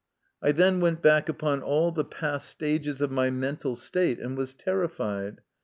I then went back upon all the past stages of my mental state, and was terrified.